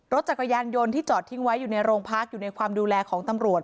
รถจักรยานยนต์ที่จอดทิ้งไว้อยู่ในโรงพักอยู่ในความดูแลของตำรวจ